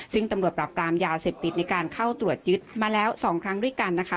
ซึ่งตำรวจปราบปรามยาเสพติดในการเข้าตรวจยึดมาแล้ว๒ครั้งด้วยกันนะคะ